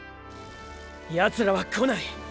ヤツらは来ない！！